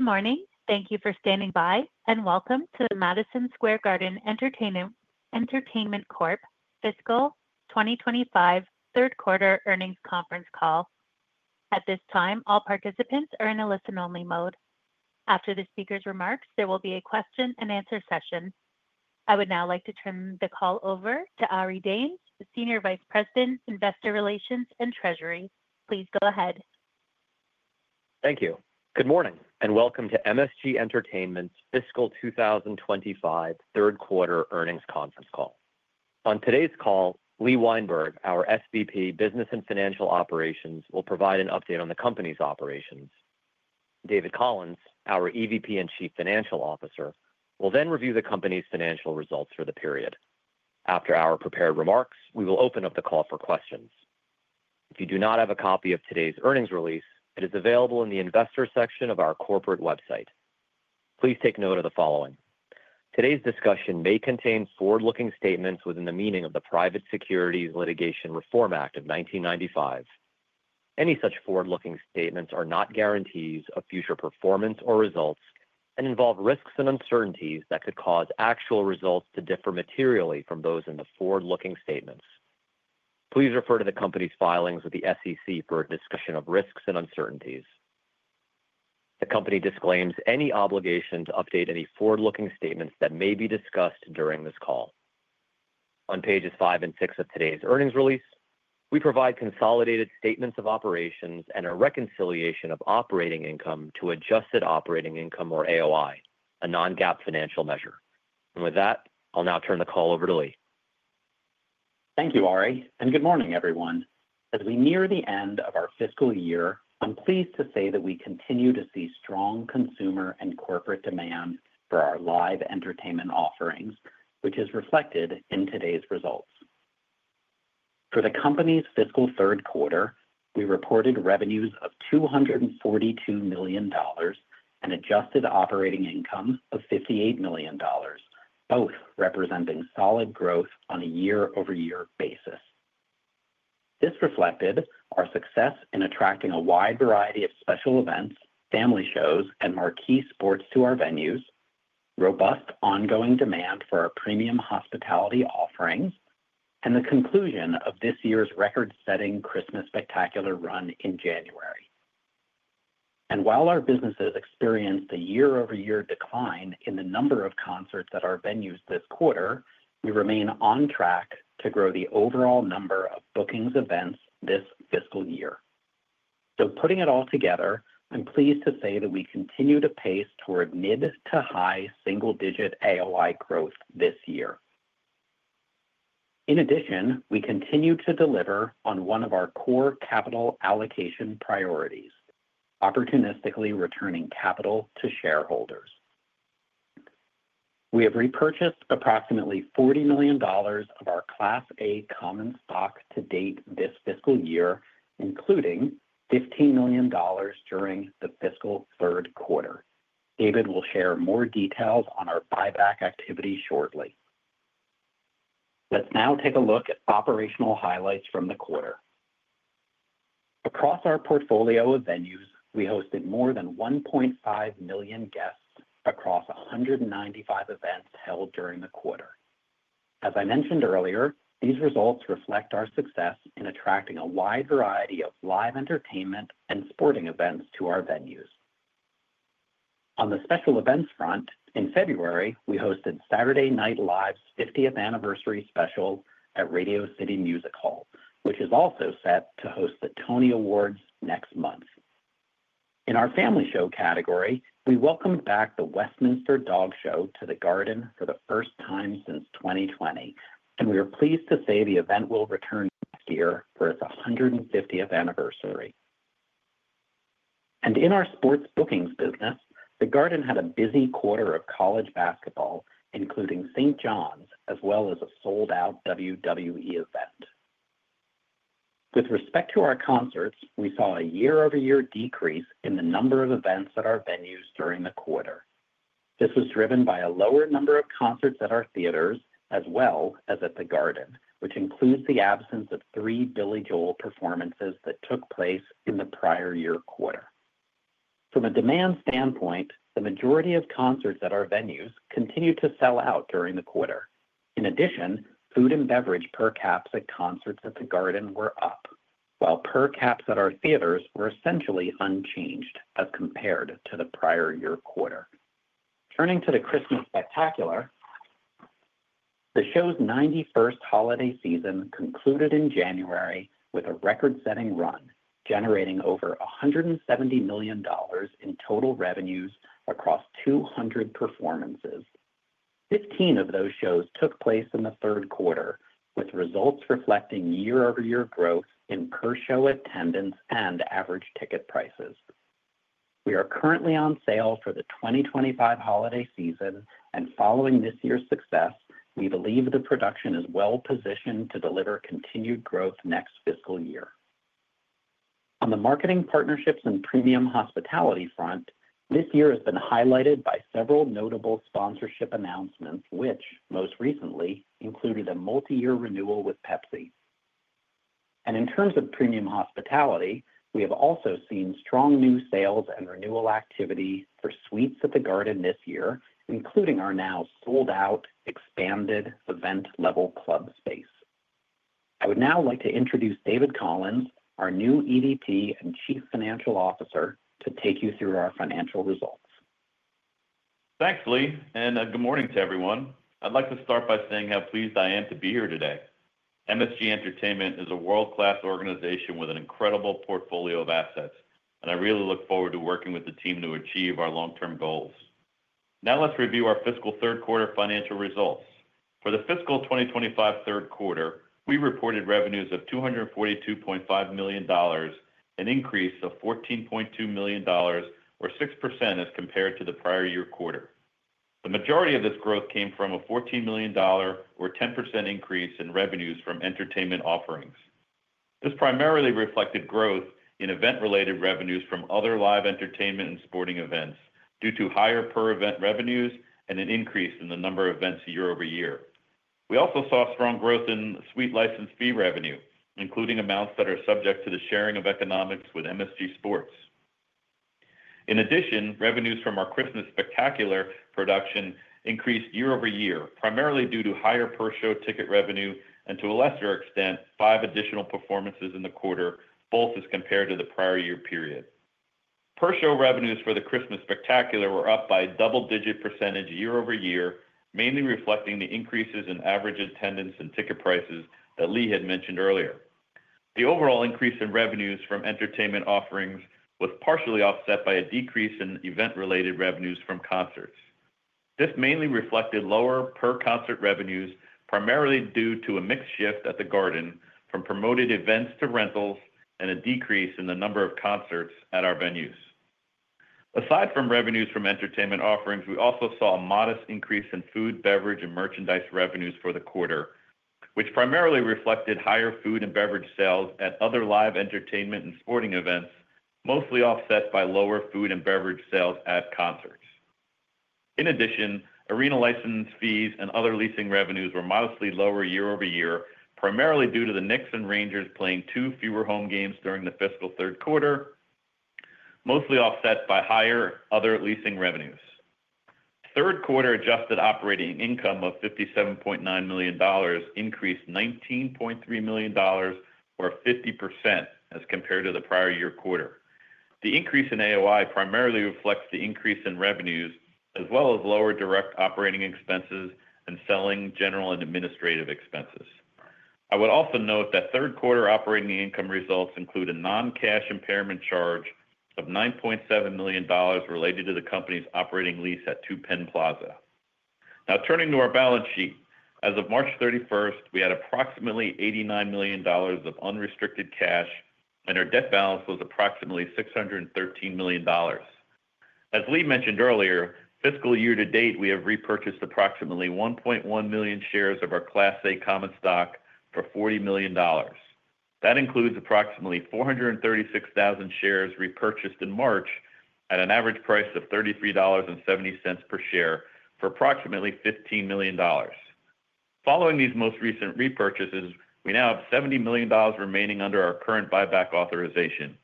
Good morning. Thank you for standing by, and welcome to the Madison Square Garden Entertainment Corp fiscal 2025 third-quarter earnings conference call. At this time, all participants are in a listen-only mode. After the speaker's remarks, there will be a question-and-answer session. I would now like to turn the call over to Ari Danes, Senior Vice President, Investor Relations and Treasury. Please go ahead. Thank you. Good morning, and welcome to MSG Entertainment's fiscal 2025 third-quarter earnings conference call. On today's call, Lee Weinberg, our SVP, Business and Financial Operations, will provide an update on the company's operations. David Collins, our EVP and Chief Financial Officer, will then review the company's financial results for the period. After our prepared remarks, we will open up the call for questions. If you do not have a copy of today's earnings release, it is available in the Investor section of our corporate website. Please take note of the following: Today's discussion may contain forward-looking statements within the meaning of the Private Securities Litigation Reform Act of 1995. Any such forward-looking statements are not guarantees of future performance or results and involve risks and uncertainties that could cause actual results to differ materially from those in the forward-looking statements. Please refer to the company's filings with the SEC for a discussion of risks and uncertainties. The company disclaims any obligation to update any forward-looking statements that may be discussed during this call. On pages five and six of today's earnings release, we provide consolidated statements of operations and a reconciliation of operating income to adjusted operating income, or AOI, a non-GAAP financial measure. With that, I'll now turn the call over to Lee. Thank you, Ari, and good morning, everyone. As we near the end of our fiscal year, I'm pleased to say that we continue to see strong consumer and corporate demand for our live entertainment offerings, which is reflected in today's results. For the company's fiscal third quarter, we reported revenues of $242 million and adjusted operating income of $58 million, both representing solid growth on a year-over-year basis. This reflected our success in attracting a wide variety of special events, family shows, and marquee sports to our venues, robust ongoing demand for our premium hospitality offerings, and the conclusion of this year's record-setting Christmas Spectacular run in January. While our businesses experienced a year-over-year decline in the number of concerts at our venues this quarter, we remain on track to grow the overall number of bookings events this fiscal year. Putting it all together, I'm pleased to say that we continue to pace toward mid to high single-digit AOI growth this year. In addition, we continue to deliver on one of our core capital allocation priorities: opportunistically returning capital to shareholders. We have repurchased approximately $40 million of our Class A common stock to date this fiscal year, including $15 million during the fiscal third quarter. David will share more details on our buyback activity shortly. Let's now take a look at operational highlights from the quarter. Across our portfolio of venues, we hosted more than 1.5 million guests across 195 events held during the quarter. As I mentioned earlier, these results reflect our success in attracting a wide variety of live entertainment and sporting events to our venues. On the special events front, in February, we hosted Saturday Night Live's 50th anniversary special at Radio City Music Hall, which is also set to host the Tony Awards next month. In our family show category, we welcomed back the Westminster Dog Show to the Garden for the first time since 2020, and we are pleased to say the event will return next year for its 150th anniversary. In our sports bookings business, the Garden had a busy quarter of college basketball, including St. John's, as well as a sold-out WWE event. With respect to our concerts, we saw a year-over-year decrease in the number of events at our venues during the quarter. This was driven by a lower number of concerts at our theaters as well as at the Garden, which includes the absence of three Billy Joel performances that took place in the prior year quarter. From a demand standpoint, the majority of concerts at our venues continued to sell out during the quarter. In addition, food and beverage per caps at concerts at the Garden were up, while per caps at our theaters were essentially unchanged as compared to the prior year quarter. Turning to the Christmas Spectacular, the show's 91st holiday season concluded in January with a record-setting run, generating over $170 million in total revenues across 200 performances. 15 of those shows took place in the third quarter, with results reflecting year-over-year growth in per-show attendance and average ticket prices. We are currently on sale for the 2025 holiday season, and following this year's success, we believe the production is well-positioned to deliver continued growth next fiscal year. On the marketing partnerships and premium hospitality front, this year has been highlighted by several notable sponsorship announcements, which, most recently, included a multi-year renewal with Pepsi. In terms of premium hospitality, we have also seen strong new sales and renewal activity for suites at the Garden this year, including our now sold-out, expanded event-level club space. I would now like to introduce David Collins, our new EVP and Chief Financial Officer, to take you through our financial results. Thanks, Lee, and good morning to everyone. I'd like to start by saying how pleased I am to be here today. MSG Entertainment is a world-class organization with an incredible portfolio of assets, and I really look forward to working with the team to achieve our long-term goals. Now let's review our fiscal third-quarter financial results. For the fiscal 2025 third quarter, we reported revenues of $242.5 million and an increase of $14.2 million, or 6%, as compared to the prior year quarter. The majority of this growth came from a $14 million, or 10%, increase in revenues from entertainment offerings. This primarily reflected growth in event-related revenues from other live entertainment and sporting events due to higher per-event revenues and an increase in the number of events year-over-year. We also saw strong growth in suite license fee revenue, including amounts that are subject to the sharing of economics with MSG Sports. In addition, revenues from our Christmas Spectacular production increased year-over-year, primarily due to higher per-show ticket revenue and, to a lesser extent, five additional performances in the quarter, both as compared to the prior year period. Per-show revenues for the Christmas Spectacular were up by a double-digit percentage year-over-year, mainly reflecting the increases in average attendance and ticket prices that Lee had mentioned earlier. The overall increase in revenues from entertainment offerings was partially offset by a decrease in event-related revenues from concerts. This mainly reflected lower per-concert revenues, primarily due to a mix shift at the Garden from promoted events to rentals and a decrease in the number of concerts at our venues. Aside from revenues from entertainment offerings, we also saw a modest increase in food, beverage, and merchandise revenues for the quarter, which primarily reflected higher food and beverage sales at other live entertainment and sporting events, mostly offset by lower food and beverage sales at concerts. In addition, arena license fees and other leasing revenues were modestly lower year-over-year, primarily due to the Knicks and Rangers playing two fewer home games during the fiscal third quarter, mostly offset by higher other leasing revenues. Third-quarter adjusted operating income of $57.9 million increased $19.3 million, or 50%, as compared to the prior year quarter. The increase in AOI primarily reflects the increase in revenues, as well as lower direct operating expenses and selling general and administrative expenses. I would also note that third-quarter operating income results include a non-cash impairment charge of $9.7 million related to the company's operating lease at 2 Penn Plaza. Now turning to our balance sheet, as of March 31st, we had approximately $89 million of unrestricted cash, and our debt balance was approximately $613 million. As Lee mentioned earlier, fiscal year to date, we have repurchased approximately 1.1 million shares of our Class A common stock for $40 million. That includes approximately 436,000 shares repurchased in March at an average price of $33.70 per share for approximately $15 million. Following these most recent repurchases, we now have $70 million remaining under our current buyback authorization.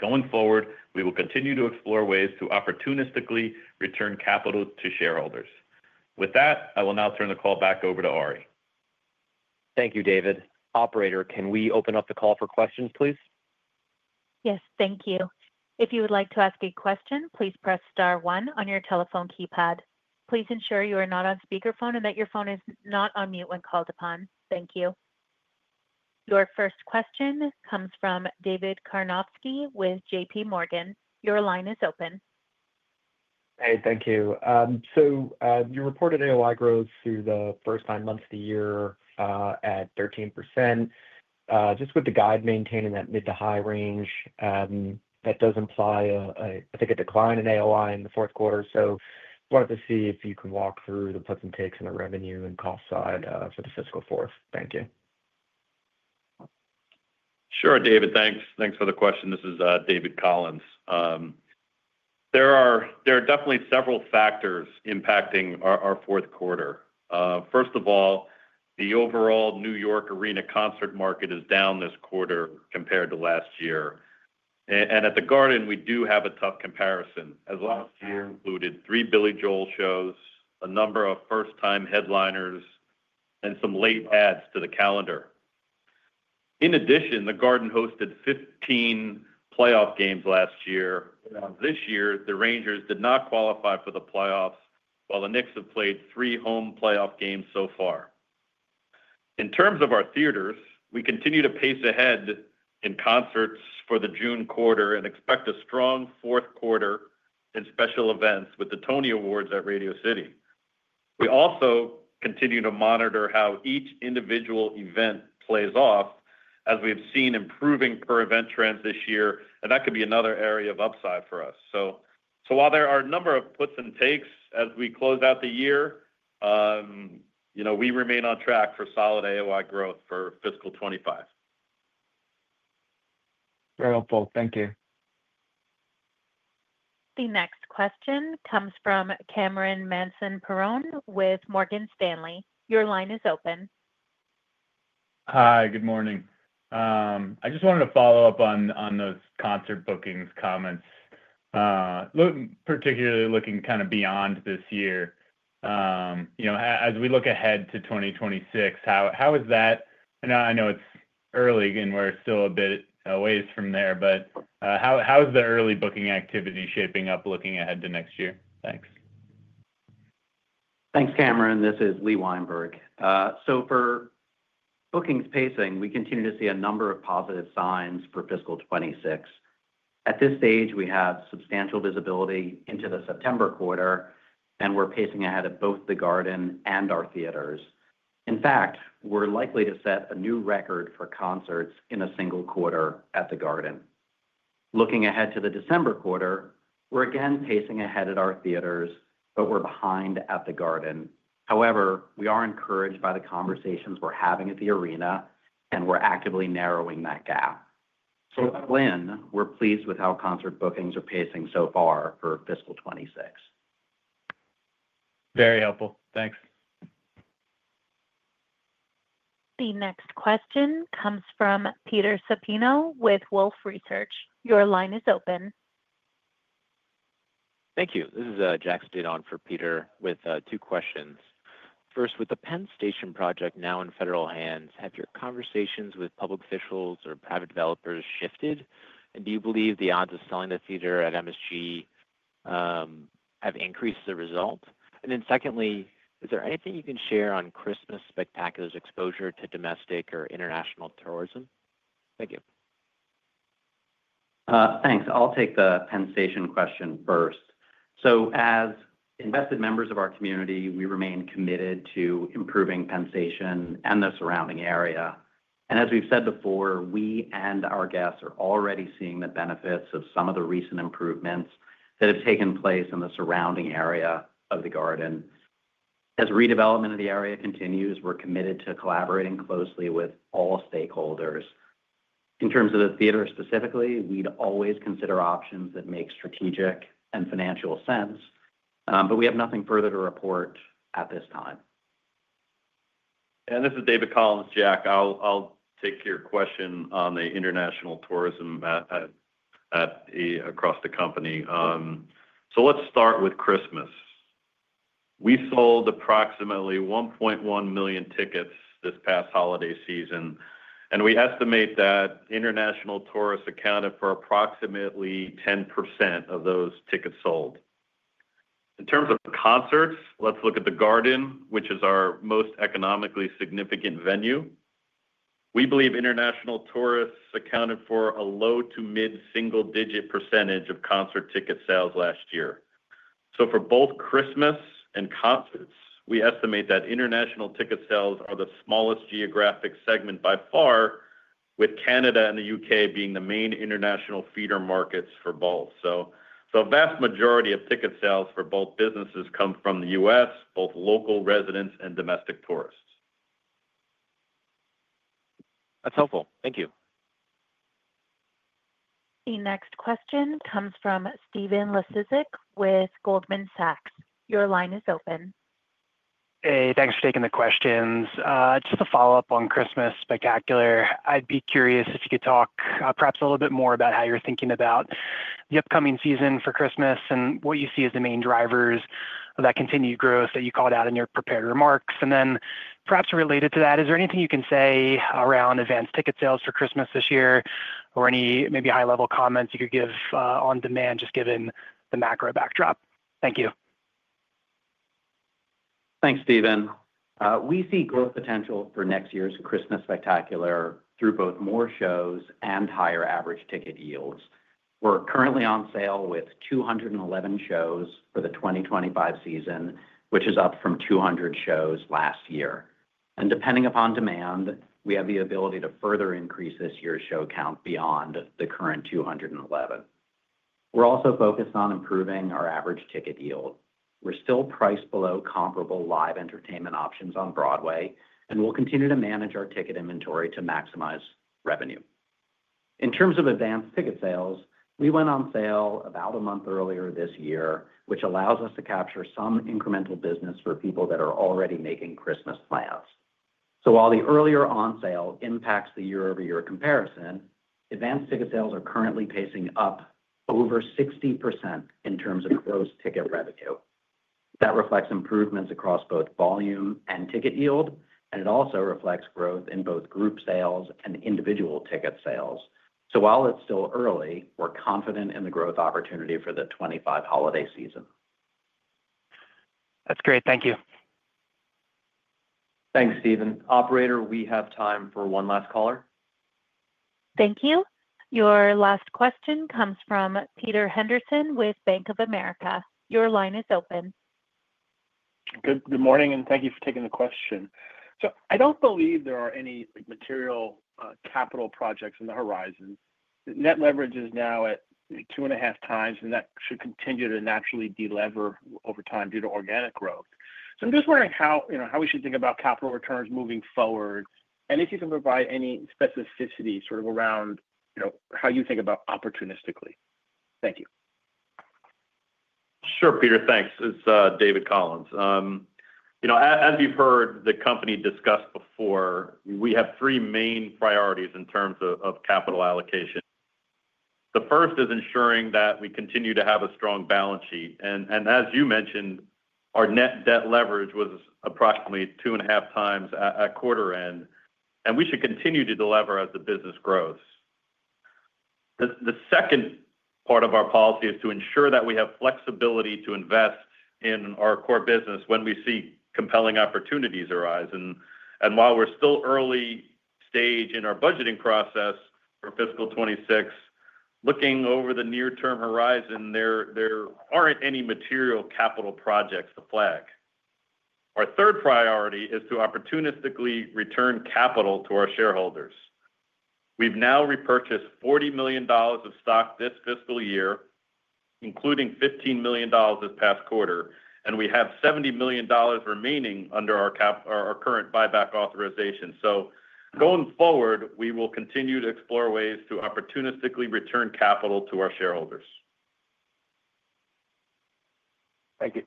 Going forward, we will continue to explore ways to opportunistically return capital to shareholders. With that, I will now turn the call back over to Ari. Thank you, David. Operator, can we open up the call for questions, please? Yes, thank you. If you would like to ask a question, please press star one on your telephone keypad. Please ensure you are not on speakerphone and that your phone is not on mute when called upon. Thank you. Your first question comes from David Karnovsky with JPMorgan. Your line is open. Hey, thank you. So you reported AOI growth through the first nine months of the year at 13%, just with the guide maintaining that mid to high range. That does imply, I think, a decline in AOI in the fourth quarter. So I wanted to see if you can walk through the plus and takes on the revenue and cost side for the fiscal fourth. Thank you. Sure, David. Thanks for the question. This is David Collins. There are definitely several factors impacting our fourth quarter. First of all, the overall New York arena concert market is down this quarter compared to last year. At the Garden, we do have a tough comparison, as last year included three Billy Joel shows, a number of first-time headliners, and some late adds to the calendar. In addition, the Garden hosted 15 playoff games last year. This year, the Rangers did not qualify for the playoffs, while the Knicks have played three home playoff games so far. In terms of our theaters, we continue to pace ahead in concerts for the June quarter and expect a strong fourth quarter in special events with the Tony Awards at Radio City. We also continue to monitor how each individual event plays off, as we have seen improving per-event trends this year, and that could be another area of upside for us. While there are a number of puts and takes as we close out the year, we remain on track for solid AOI growth for fiscal 2025. Very helpful. Thank you. The next question comes from Cameron Mansson-Perrone with Morgan Stanley. Your line is open. Hi, good morning. I just wanted to follow up on those concert bookings comments, particularly looking kind of beyond this year. As we look ahead to 2026, how is that? I know it's early, and we're still a bit away from there, but how is the early booking activity shaping up looking ahead to next year? Thanks. Thanks, Cameron. This is Lee Weinberg. For bookings pacing, we continue to see a number of positive signs for fiscal 2026. At this stage, we have substantial visibility into the September quarter, and we're pacing ahead at both the Garden and our theaters. In fact, we're likely to set a new record for concerts in a single quarter at the Garden. Looking ahead to the December quarter, we're again pacing ahead at our theaters, but we're behind at the Garden. However, we are encouraged by the conversations we're having at the arena, and we're actively narrowing that gap. Until then, we're pleased with how concert bookings are pacing so far for fiscal 2026. Very helpful. Thanks. The next question comes from Peter Sapino with Wolfe Research. Your line is open. Thank you. This is Jack Stidon for Peter with two questions. First, with the Penn Station project now in federal hands, have your conversations with public officials or private developers shifted? Do you believe the odds of selling the theater at MSG have increased as a result? Secondly, is there anything you can share on Christmas Spectacular's exposure to domestic or international tourism? Thank you. Thanks. I'll take the Penn Station question first. As invested members of our community, we remain committed to improving Penn Station and the surrounding area. As we've said before, we and our guests are already seeing the benefits of some of the recent improvements that have taken place in the surrounding area of the Garden. As redevelopment of the area continues, we're committed to collaborating closely with all stakeholders. In terms of the theater specifically, we'd always consider options that make strategic and financial sense, but we have nothing further to report at this time. This is David Collins, Jack. I'll take your question on the international tourism across the company. Let's start with Christmas. We sold approximately 1.1 million tickets this past holiday season, and we estimate that international tourists accounted for approximately 10% of those tickets sold. In terms of concerts, let's look at the Garden, which is our most economically significant venue. We believe international tourists accounted for a low to mid-single-digit percentage of concert ticket sales last year. For both Christmas and concerts, we estimate that international ticket sales are the smallest geographic segment by far, with Canada and the U.K. being the main international feeder markets for both. A vast majority of ticket sales for both businesses come from the U.S., both local residents and domestic tourists. That's helpful. Thank you. The next question comes from Stephen Laszczyk with Goldman Sachs. Your line is open. Hey, thanks for taking the questions. Just to follow up on Christmas Spectacular, I'd be curious if you could talk perhaps a little bit more about how you're thinking about the upcoming season for Christmas and what you see as the main drivers of that continued growth that you called out in your prepared remarks. Perhaps related to that, is there anything you can say around advanced ticket sales for Christmas this year or any maybe high-level comments you could give on demand just given the macro backdrop? Thank you. Thanks, Stephen. We see growth potential for next year's Christmas Spectacular through both more shows and higher average ticket yields. We're currently on sale with 211 shows for the 2025 season, which is up from 200 shows last year. Depending upon demand, we have the ability to further increase this year's show count beyond the current 211. We're also focused on improving our average ticket yield. We're still priced below comparable live entertainment options on Broadway, and we'll continue to manage our ticket inventory to maximize revenue. In terms of advanced ticket sales, we went on sale about a month earlier this year, which allows us to capture some incremental business for people that are already making Christmas plans. While the earlier on sale impacts the year-over-year comparison, advanced ticket sales are currently pacing up over 60% in terms of gross ticket revenue. That reflects improvements across both volume and ticket yield, and it also reflects growth in both group sales and individual ticket sales. While it's still early, we're confident in the growth opportunity for the 2025 holiday season. That's great. Thank you. Thanks, Stephen. Operator, we have time for one last caller. Thank you. Your last question comes from Peter Henderson with Bank of America. Your line is open. Good morning, and thank you for taking the question. I don't believe there are any material capital projects on the horizon. Net leverage is now at 2.5x, and that should continue to naturally deliver over time due to organic growth. I'm just wondering how we should think about capital returns moving forward, and if you can provide any specificity sort of around how you think about opportunistically. Thank you. Sure, Peter. Thanks. It's David Collins. As you've heard the company discuss before, we have three main priorities in terms of capital allocation. The first is ensuring that we continue to have a strong balance sheet. As you mentioned, our net debt leverage was approximately 2.5x at quarter end, and we should continue to delever as the business grows. The second part of our policy is to ensure that we have flexibility to invest in our core business when we see compelling opportunities arise. While we're still early stage in our budgeting process for fiscal 2026, looking over the near-term horizon, there aren't any material capital projects to flag. Our third priority is to opportunistically return capital to our shareholders. We've now repurchased $40 million of stock this fiscal year, including $15 million this past quarter, and we have $70 million remaining under our current buyback authorization. Going forward, we will continue to explore ways to opportunistically return capital to our shareholders. Thank you.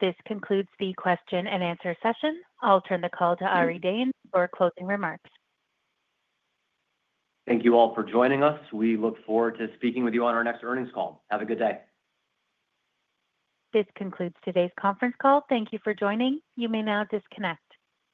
This concludes the question and answer session. I'll turn the call to Ari Danes for closing remarks. Thank you all for joining us. We look forward to speaking with you on our next earnings call. Have a good day. This concludes today's conference call. Thank you for joining. You may now disconnect.